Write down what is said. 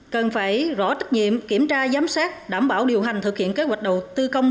cần phải rõ trách nhiệm kiểm tra giám sát đảm bảo điều hành thực hiện kế hoạch đầu tư công